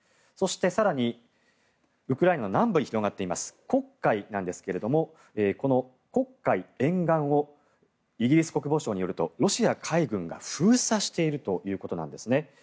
そして、更にウクライナの南部に広がっています黒海なんですがこの黒海沿岸をイギリス国防省によるとロシア海軍が封鎖しているということなんです。